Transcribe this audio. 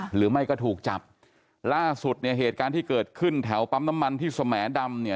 หรือไม่ก็ถูกจับล่าสุดเนี่ยเหตุการณ์ที่เกิดขึ้นแถวปั๊มน้ำมันที่สแหมดำเนี่ย